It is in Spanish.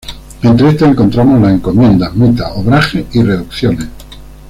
Entre estas encontramos las encomiendas, mitas, obrajes y reducciones.